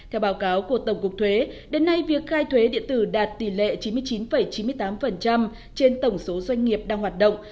theo báo cáo của tổng cục thuế đến nay việc khai thuế điện tử đạt tỷ lệ chín mươi chín chín mươi tám trên tổng số doanh nghiệp đang hoạt động